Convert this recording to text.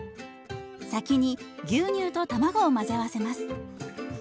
先に牛乳と卵を混ぜ合わせます。